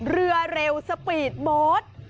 เรือเร็วสปีดโบสต์